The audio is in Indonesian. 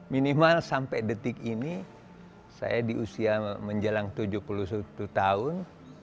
minimal sampai detik ini saya di usia menjelang tujuh puluh satu tahun